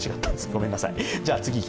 ごめんなさい。